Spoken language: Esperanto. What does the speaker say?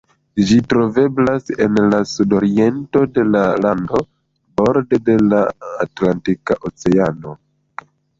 Ĝi troveblas en la sudoriento de la lando, borde de la Atlantika Oceano.